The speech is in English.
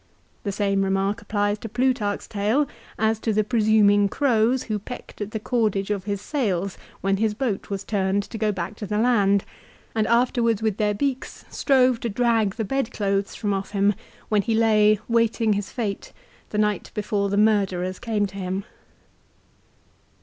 The same remark applies to Plutarch's tale as to the presuming crows who pecked at the cordage of his sails when his boat was turned to go back to the land, and afterwards with their beaks strove to drag the bedclothes from off him when he lay waiting his fate the night before the murderers came to him.